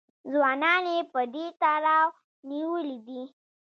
ځوانان یې په دې تړاو نیولي دي